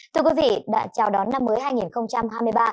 thưa quý vị đã chào đón năm mới hai nghìn hai mươi ba